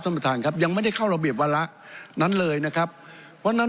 ท่านประธานครับยังไม่ได้เข้าระเบียบวาระนั้นเลยนะครับเพราะฉะนั้น